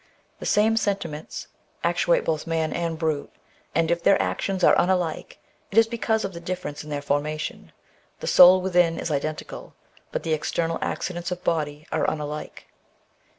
The same sentiments actuate both man and brute, and if their actions are unlike, it is because of the difference in their formation. The soul within is identical, but the external accidents of body are unlike.